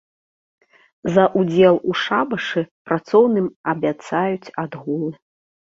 За ўдзел у шабашы працоўным абяцаюць адгулы.